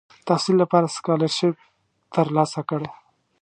تحصیل لپاره سکالرشیپ تر لاسه کړ.